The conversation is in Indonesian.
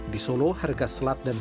di solo harga selat dan